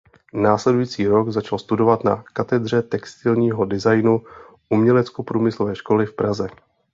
Následující rok začal studovat na katedře textilního designu Uměleckoprůmyslové školy v Praze.